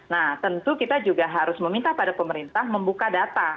nah tentu kita juga harus meminta pada pemerintah membuka data